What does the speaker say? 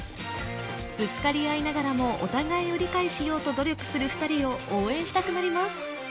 ぶつかり合いながらもお互いを理解しようと努力する２人を応援したくなります